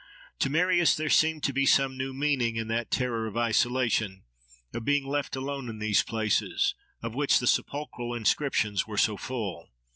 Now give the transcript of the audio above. To Marius there seemed to be some new meaning in that terror of isolation, of being left alone in these places, of which the sepulchral inscriptions were so full.